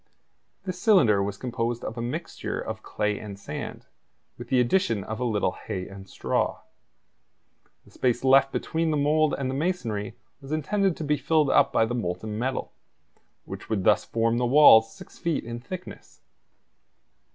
This cylinder was composed of a mixture of clay and sand, with the addition of a little hay and straw. The space left between the mould and the masonry was intended to be filled up by the molten metal, which would thus form the walls six feet in thickness.